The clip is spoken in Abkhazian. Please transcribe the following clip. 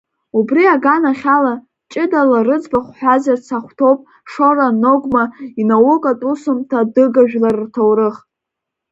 Убри аганахь ала, ҷыдала рыӡбахә ҳәазарц ахәҭоуп Шора Ногәма инаукатә усумҭа Адыга жәлар рҭоурых.